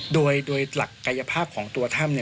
โดยหลักกายภาพของตัวถ้ำ